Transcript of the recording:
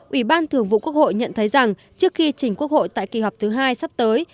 ủy ban thường vụ quốc hội nhận thấy rằng trước khi chỉnh quốc hội tại kỳ họp thứ hai sắp tới